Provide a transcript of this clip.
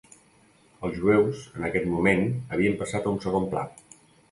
Els jueus, en aquest moment havien passat a un segon pla.